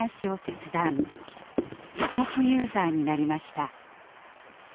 義足ユーザーになりました。